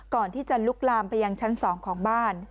ก่อนที่จะลุกลามไปยังชั้น๒ของบ้าน